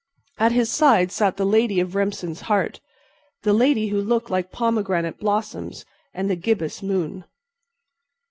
At his side sat the lady of Remsen's heart—the lady who looked like pomegranate blossoms and the gibbous moon.